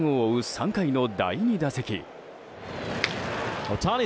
３回の第２打席。